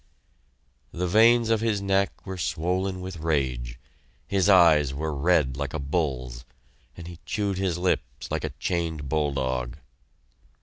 The veins of his neck were swollen with rage; his eyes were red like a bull's, and he chewed his lips like a chained bulldog.